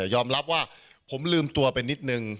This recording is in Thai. ยอมรับว่าผมลืมตัวไปนิดนึง